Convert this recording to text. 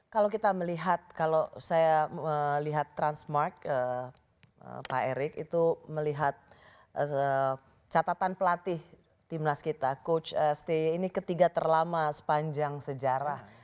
kalau kita melihat kalau saya melihat transmart pak erik itu melihat catatan pelatih timnas kita coach stay ini ketiga terlama sepanjang sejarah